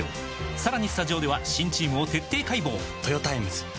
さらにスタジオでは新チームを徹底解剖！